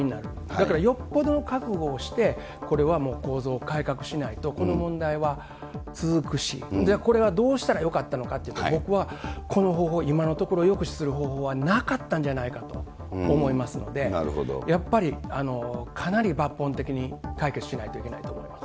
だから、よっぽどの覚悟をして、これはもう構造改革しないと、この問題は続くし、これはどうしたらよかったのかというと、僕はこの方法、今のところ、抑止する方法はなかったんじゃないかと思いますので、やっぱりかなり抜本的に解決しないといけないと思います。